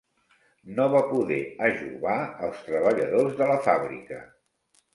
No va poder ajovar els treballadors de la fàbrica.